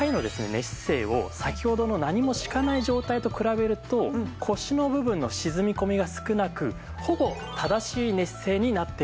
寝姿勢を先ほどの何も敷かない状態と比べると腰の部分の沈み込みが少なくほぼ正しい寝姿勢になっているのがわかります。